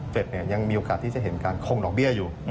ยังมีโอกาสที่จะเห็นการคงดอกเบี้ยอยู่